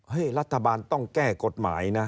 รัฐบาลต้องแก้กฎหมายนะ